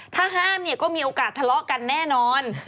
ถ้าห้ามเนี่ยก็มีโอกาสทะเลาะกันแน่นอน